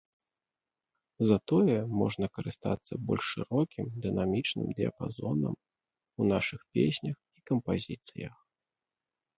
Затое можна карыстацца больш шырокім дынамічным дыяпазонам у нашых песнях і кампазіцыях.